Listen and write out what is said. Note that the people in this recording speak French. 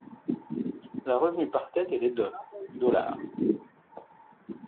Le Revenu par tête était de $.